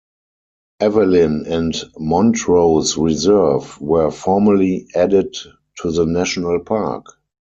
Evelyn and Montrose Reserve were formally added to the national park.